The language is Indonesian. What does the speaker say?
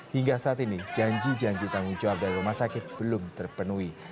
hingga saat ini janji janji tanggung jawab dari rumah sakit belum terpenuhi